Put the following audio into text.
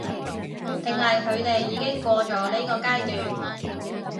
定係佢哋已經過咗呢個階段？